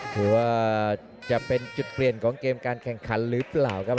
ถือว่าเป็นจุดเปลี่ยนของเกมการแข่งขันหรือเปล่าครับ